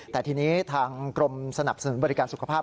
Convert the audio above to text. แต่ทีนี้ทางกรมสนับสนุนบริการสุขภาพ